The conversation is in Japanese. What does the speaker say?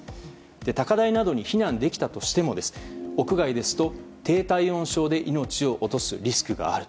高台などに避難できたとしても屋外ですと低体温症で命を落とすリスクがある。